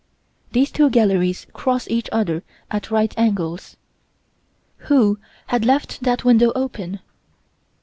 These two galleries cross each other at right angles. Who had left that window open?